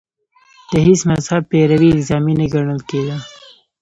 د هېڅ مذهب پیروي الزامي نه ګڼل کېده